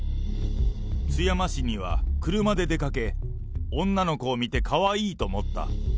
津山市には車で出かけ、女の子を見て、かわいいと思った。